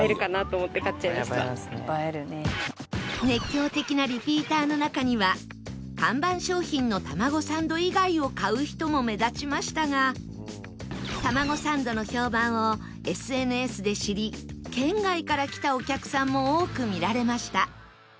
熱狂的なリピーターの中には看板商品の玉子サンド以外を買う人も目立ちましたが玉子サンドの評判を ＳＮＳ で知り県外から来たお客さんも多く見られました